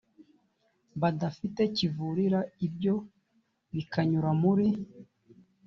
badafite kivurira ibyo bikanyura muri